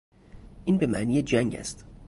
این به معنی جنگ است.